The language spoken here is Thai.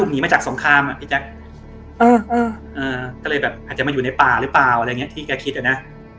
ก็เลยแบบอาจจะมาอยู่ในป่าหรือเปล่าอะไรเงี้ยที่แกคิดอะนะ